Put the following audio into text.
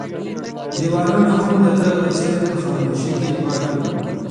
دیوالونه هم د ده په څېر په خاموشۍ کې پاتې وو.